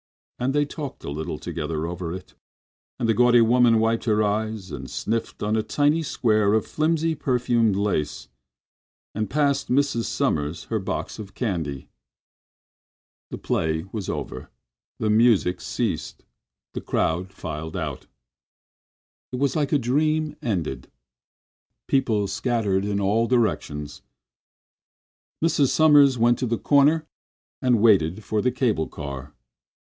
And they talked a little together over it. And the gaudy woman wiped her eyes and sniffled on a tiny square of filmy, perfumed lace and passed little Mrs. Sommers her box of candy. The play was over, the music ceased, the crowd filed out. It was like a dream ended. People scattered in all directions. Mrs. Sommers went to the corner and waited for the cable car.